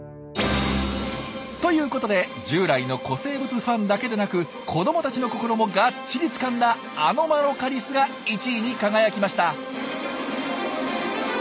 ということで従来の古生物ファンだけでなく子どもたちの心もがっちりつかんだアノマロカリスが１位に輝きました。